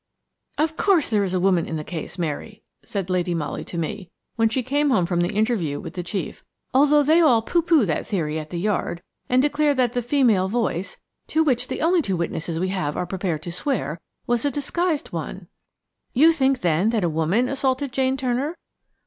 2 "Of course, there is a woman in the case, Mary," said Lady Molly to me, when she came home from the interview with the chief, "although they all pooh pooh that theory at the Yard, and declare that the female voice–to which the only two witnesses we have are prepared to swear–was a disguised one." "You think, then, that a woman assaulted Jane Turner?"